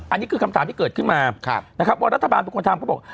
อันนี้คือคำถามที่เกิดขึ้นมานะครับว่ารัฐบาลเป็นคนทำเขาบอก